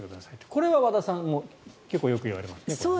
これは和田さん結構言われますよね。